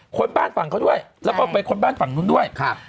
คนบ้านฝั่งเขาด้วยแล้วก็ไปค้นบ้านฝั่งนู้นด้วยครับ